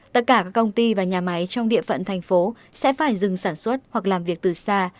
tất cả các công ty và nhà máy trong địa phận thành phố sẽ phải dừng sản xuất hoặc làm việc từ xa